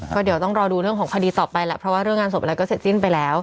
ก็เดี๋ยวต้องรอดูเรื่องของคดีต่อไปแหละเพราะว่าเรื่องงานศพอะไรก็เสร็จสิ้นไปแล้ว